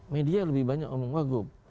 media lebih banyak omong wagub